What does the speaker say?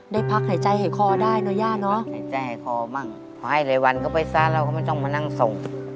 ได้พักหายใจหายคอได้เนอะย่าเนอะพอให้รายวันก็ไปซะเราก็ไม่ต้องมานั่งส่ง